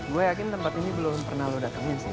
gue yakin tempat ini belum pernah lo datangin sih